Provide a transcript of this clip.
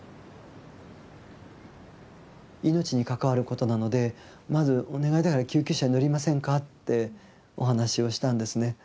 命に関わることなのでまずお願いだから救急車に乗りませんかってお話をしたんですね。